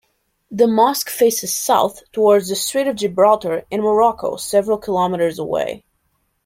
The mosque faces south towards the Strait of Gibraltar and Morocco several kilometres away.